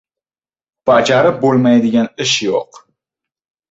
• Bajarib bo‘lmaydigan ish yo‘q.